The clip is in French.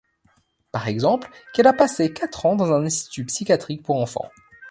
Par exemple, qu'elle a passé quatre ans dans un institut psychiatrique pour enfants.